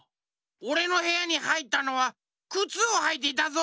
おれのへやにはいったのはくつをはいていたぞ！